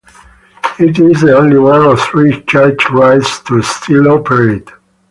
It is only one of three Church rides to still operate.